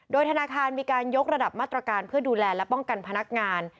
โดยธนาคารมีการยกระดับมาตรการเพื่อดูแลและป้องกันพนักงาน